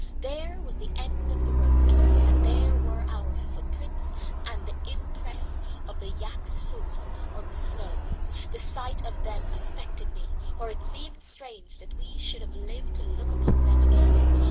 There was the end of the road, and there were our own footprints and the impress of the yak's hoofs in the snow. The sight of them affected me, for it seemed strange that we should have lived to look upon them again.